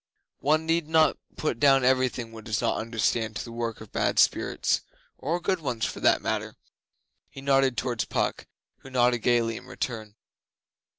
One need not put down everything one does not understand to the work of bad spirits or good ones, for that matter.' He nodded towards Puck, who nodded gaily in return.